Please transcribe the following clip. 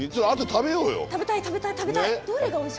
食べたい食べたい食べたい！